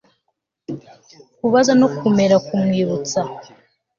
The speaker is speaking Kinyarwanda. kubaza no kumera, kumwibutsa